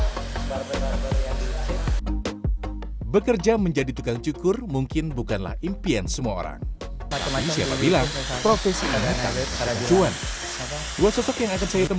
hai bekerja menjadi tukang cukur mungkin bukanlah impian semua orang